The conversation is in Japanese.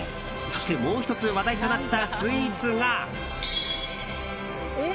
そして、もう１つ話題となったスイーツが。